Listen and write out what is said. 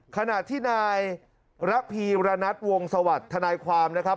ขณะที่นายรักภีรณัฐวงศวรรษทนายความนะครับ